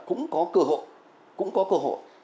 cũng có cơ hội cũng có cơ hội